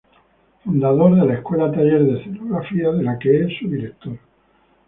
Fundador de la Escuela Taller de Escenografía de la que es su Director.